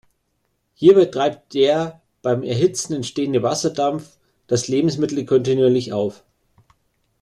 Hierbei treibt der beim Erhitzen entstehende Wasserdampf das Lebensmittel kontinuierlich auf.